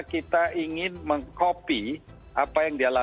kita ingin menggunakan perusahaan yang berbeda